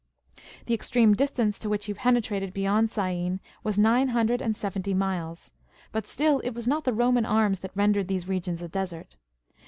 ^ The extreme distance to which he penetrated beyond Syene was nine hundred and seventy miles ; but still, it was not the Roman arms that rendered these regions a desert.